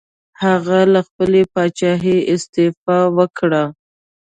هغه له خپلې پاچاهۍ استعفا وکړه.